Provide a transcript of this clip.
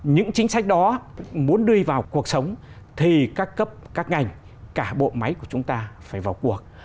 những chính sách đó muốn đưa vào cuộc sống thì các cấp các ngành cả bộ máy của chúng ta phải vào cuộc